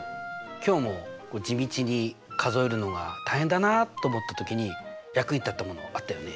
今日も地道に数えるのが大変だなあと思った時に役に立ったものあったよね？